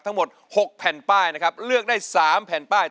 ทั้งหมด๖แผ่นป้ายนะครับเลือกได้๓แผ่นป้าย